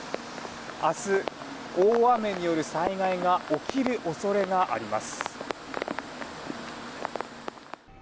明日、大雨による災害が起きる恐れがあります。